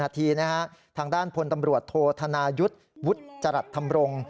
ทางด้านพลตำรวจโทษธนายุทธ์วุฒิจรัสธรรมรงค์